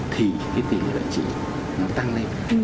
thì cái tình loại trĩ nó tăng lên